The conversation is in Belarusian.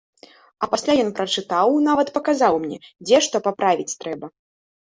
А пасля ён прачытаў, нават паказаў мне, дзе што паправіць трэба.